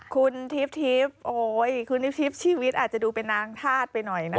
คุณทิพย์โอ๊ยคุณทิพชีวิตอาจจะดูเป็นนางธาตุไปหน่อยนะคะ